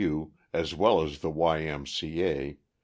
U., as well as the Y. M. C. A.